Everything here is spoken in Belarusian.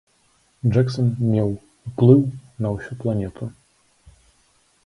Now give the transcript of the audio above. Джэксан меў ўплыў на ўсю планету!